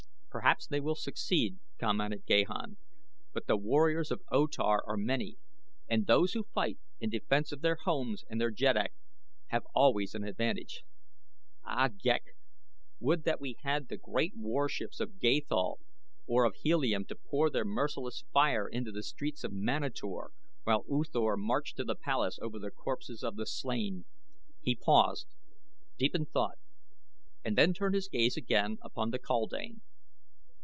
"Perhaps they will succeed," commented Gahan; "but the warriors of O Tar are many, and those who fight in defense of their homes and their jeddak have always an advantage. Ah, Ghek, would that we had the great warships of Gathol or of Helium to pour their merciless fire into the streets of Manator while U Thor marched to the palace over the corpses of the slain." He paused, deep in thought, and then turned his gaze again upon the kaldane.